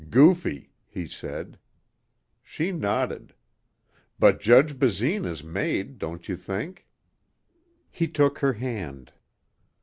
"Goofy," he said. She nodded. "But Judge Basine is made, don't you think?" He took her hand.